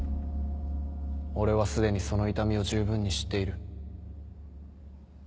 俺はすでにその痛みを十分に知っている。